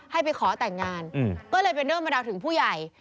ให้ไปขอแต่งงานก็เลยไปเนิ่มมาดับถึงผู้ใหญ่